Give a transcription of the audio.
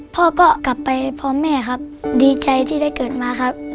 พ่อก็กลับไปพร้อมแม่ครับดีใจที่ได้เกิดมาครับ